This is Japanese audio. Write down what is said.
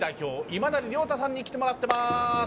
今成亮太さんに来てもらってます。